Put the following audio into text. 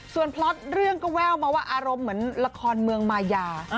ส่วนพล็อตเรื่องก็แววมาว่าอารมณ์เหมือนละครเมืองมายา